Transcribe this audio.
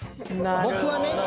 僕はね。